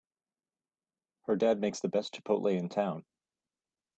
Her dad makes the best chipotle in town!